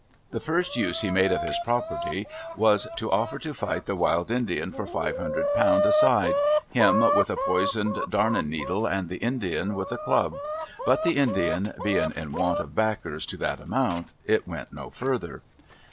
The first use he made of his property, was, to offer to fight the Wild Indian for five hundred pound a side, him with a poisoned darnin needle and the Indian with a club ; but the Indian being in want of backers to that amount, it went no further.